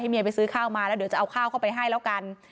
เมียไปซื้อข้าวมาแล้วเดี๋ยวจะเอาข้าวเข้าไปให้แล้วกัน